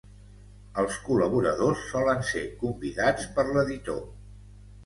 Els col·laboradors solen ser convidats per l'editor.